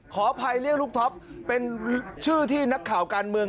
ขออภัยเรียกลูกท็อปเป็นชื่อที่นักข่าวการเมือง